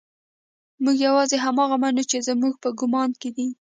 موږ يوازې هماغه منو چې زموږ په ګمان کې دي.